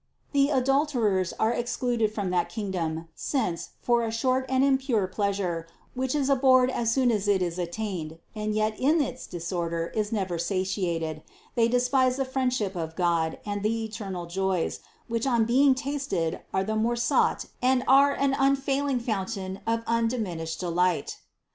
"The adulterers" are excluded from that kingdom, since, for a short and impure pleas ure, which is abhorred as soon as it is attained, and yet THE CONCEPTION 215 in its disorder is never satiated, they despise the friend ship of God and the eternal joys, which on being tasted are the more sought and are an unfailing fountain of undiminished delight.